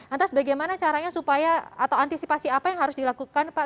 lantas bagaimana caranya supaya atau antisipasi apa yang harus dilakukan pak